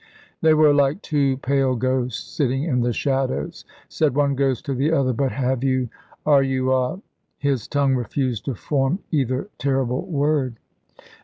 They were like two pale ghosts sitting in the shadows. Said one ghost to the other: "But have you are you a ?" His tongue refused to form either terrible word.